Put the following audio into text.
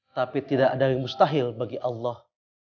tapi tidak ada yang mustahil bagi allah